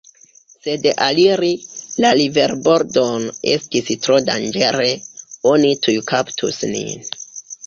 Sed aliri la riverbordon estis tro danĝere, oni tuj kaptus nin.